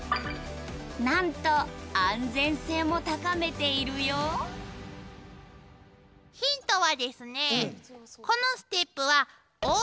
なんと安全性も高めているよヒントはですね